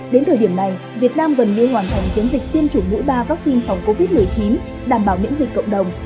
đến thời điểm này việt nam gần như hoàn thành chiến dịch tiêm chủng mũi ba vaccine phòng covid một mươi chín đảm bảo miễn dịch cộng đồng